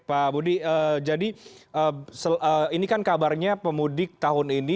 pak budi jadi ini kan kabarnya pemudik tahun ini